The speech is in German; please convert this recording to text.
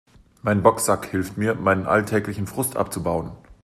Mein Boxsack hilft mir, meinen alltäglichen Frust abzubauen.